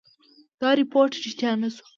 دا رپوټ ریشتیا نه شو.